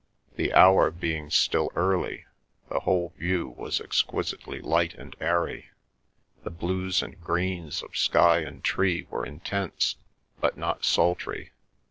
The hour being still early, the whole view was exquisitely light and airy; the blues and greens of sky and tree were intense but not sultry.